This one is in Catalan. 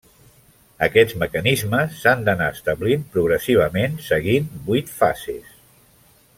Aquests mecanismes s’han d'anar establint progressivament, seguint vuit fases.